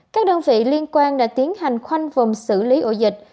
các đơn vị liên quan đã tiến hành khoanh vùng xử lý ổ dịch